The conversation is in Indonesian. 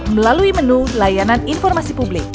melalui menu layanan informasi publik